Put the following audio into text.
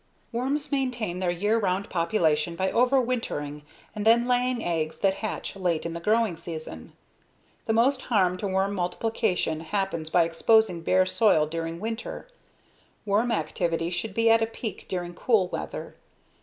Worms maintain their year round population by overwintering and then laying eggs that hatch late in the growing season. The most harm to worm multiplication happens by exposing bare soil during winter. Worm activity should be at a peak during cool weather.